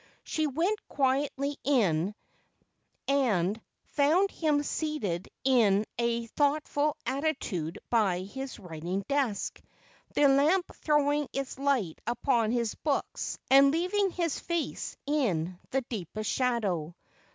She went quietly in, and found him seated in a thoughtful attitude by his writing desk, the lamp throwing its light upon his books and leaving his face in deepest shadow.